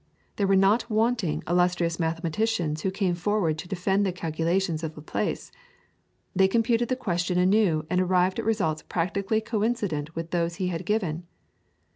There were not wanting illustrious mathematicians who came forward to defend the calculations of Laplace. They computed the question anew and arrived at results practically coincident with those he had given.